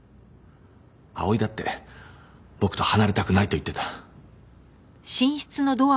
碧唯だって僕と離れたくないと言ってた。